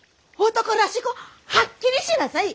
男らしくはっきりしなさい！